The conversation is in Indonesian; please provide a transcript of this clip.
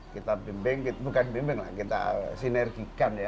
kita bimbing bukan bimbing lah kita sinergikan ya